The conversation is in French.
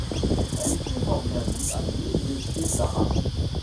Elle était fort bien vue à l’évêché d’Arras.